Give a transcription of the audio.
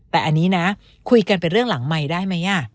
แต่อันนี้นะคุยกันเป็นเรื่องหลังไมค์ได้ไหม